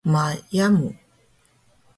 ma yamu!